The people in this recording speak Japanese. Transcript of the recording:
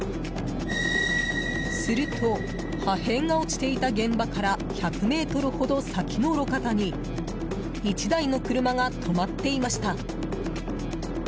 すると破片が落ちていた現場から１００ｍほど先の路肩に１台の車が止まっていました。